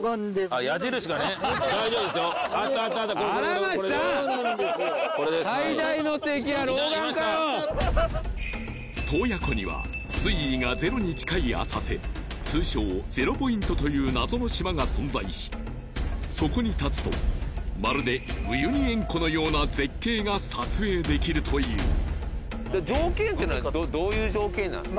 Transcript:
いたいました洞爺湖には水位がゼロに近い浅瀬通称ゼロポイントという謎の島が存在しそこに立つとまるでウユニ塩湖のような絶景が撮影できるというだから条件っていうのはどういう条件なんですか？